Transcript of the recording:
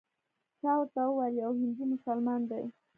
چا راته وویل یو هندي مسلمان دی.